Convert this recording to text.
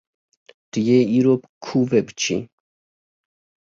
Tu yê îro bi ku ve biçî?